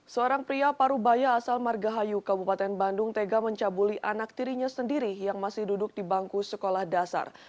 seorang pria parubaya asal margahayu kabupaten bandung tega mencabuli anak tirinya sendiri yang masih duduk di bangku sekolah dasar